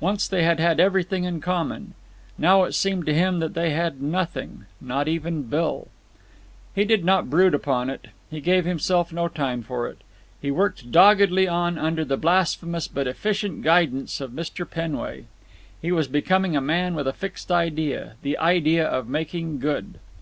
Once they had had everything in common. Now it seemed to him that they had nothing—not even Bill. He did not brood upon it. He gave himself no time for that. He worked doggedly on under the blasphemous but efficient guidance of Mr. Penway. He was becoming a man with a fixed idea—the idea of making good.